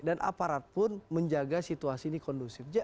aparat pun menjaga situasi ini kondusif